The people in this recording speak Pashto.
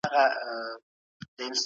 ایا لوی صادروونکي بادام ساتي؟